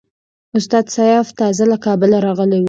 استاد سیاف تازه له کابله راغلی وو.